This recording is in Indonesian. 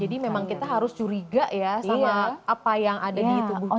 jadi memang kita harus curiga ya sama apa yang ada di tubuh kita ya